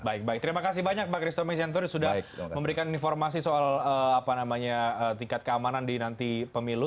baik baik terima kasih banyak mbak kris tomisian taurus sudah memberikan informasi soal tingkat keamanan di nanti pemilu